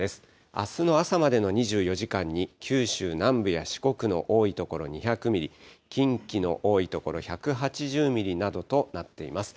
あすの朝までの２４時間に、九州南部や四国の多い所２００ミリ、近畿の多い所、１８０ミリなどとなっています。